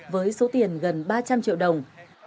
với số tiền gần ba trăm linh triệu đồng